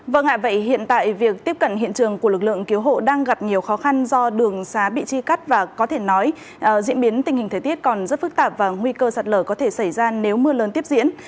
vâng ạ vậy hiện tại việc tiếp cận hiện trường của lực lượng cứu hộ đang gặp nhiều khó khăn do đường xá bị chia cắt và có thể nói diễn biến tình hình thế tiết còn rất phức tạp và nguy cơ sạt lở có thể xảy ra nếu mưa lớn tiếp diễn